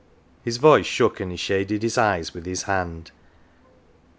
His voice shook, and he shaded his eyes with his hand.